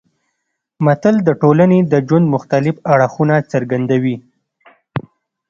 متل د ټولنې د ژوند مختلف اړخونه څرګندوي